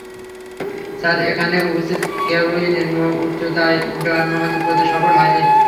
Sir, এখানে উপস্থিত কেউই নিম্ন উচ্চতায় উড্ডয়ন করতে সফল হয়নি।